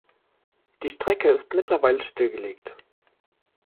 Die Strecke ist mittlerweile stillgelegt.